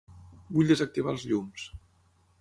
Vull desactivar els llums.